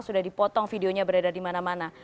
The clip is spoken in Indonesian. sudah dipotong videonya beredar dimana mana